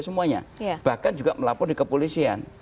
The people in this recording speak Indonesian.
semuanya bahkan juga melapor di kepolisian